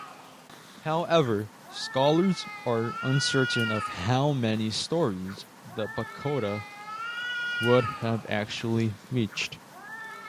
However, scholars are uncertain of how many storeys the pagoda would have actually reached.